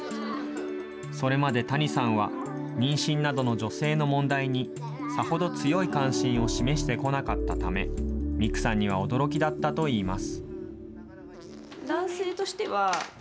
それまで谷さんは、妊娠などの女性の問題に、さほど強い関心を示してこなかったため、未来さんには驚きだったといいます。